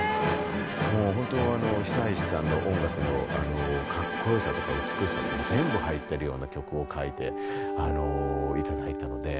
もう本当久石さんの音楽のかっこよさとか美しさとか全部入ってるような曲を書いて頂いたので。